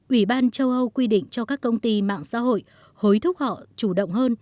ủy ban châu âu quy định cho các công ty mạng xã hội hối thúc họ chủ động hơn